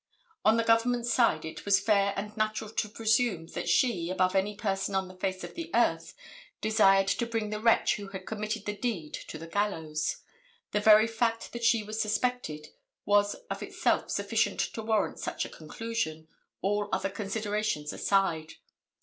On the Government side it was fair and natural to presume, that she, above any person on the face of the earth, desired to bring the wretch who had committed the deed to the gallows. The very fact that she was suspected, was of itself sufficient to warrant such a conclusion, all other considerations aside.